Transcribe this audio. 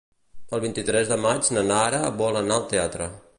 El vint-i-tres de maig na Nara vol anar al teatre.